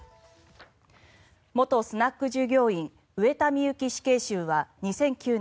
元スナック従業員上田美由紀死刑囚は２００９年